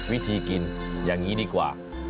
วิธีกินอย่างนี้ดีกว่า